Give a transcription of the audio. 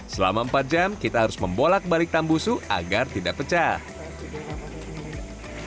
selama empat jam kita harus membolak balik tambusu agar tidak pecah